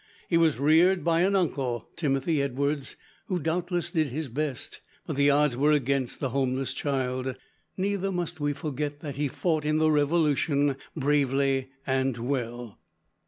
He was reared by an uncle, Timothy Edwards, who doubtless did his best, but the odds were against the homeless child. Neither must we forget that he fought in the Revolution, bravely and well.